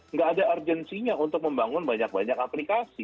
nggak ada urgensinya untuk membangun banyak banyak aplikasi